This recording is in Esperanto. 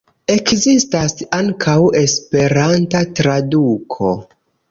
Ekzistas ankaŭ Esperanta traduko.